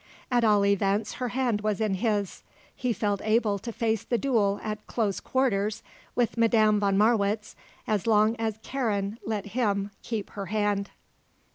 At all events her hand was in his. He felt able to face the duel at close quarters with Madame von Marwitz as long as Karen let him keep her hand.